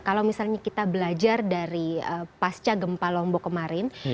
kalau misalnya kita belajar dari pasca gempa lombok kemarin